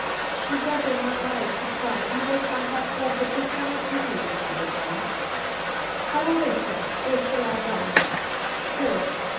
"'You dazzle my eyes,' he cried, 'you make my heart warm; but you cannot give me what I desire. I will wait here wait till I die. Go!